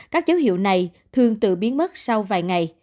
các dấu hiệu này thường tự biến mất sau vài ngày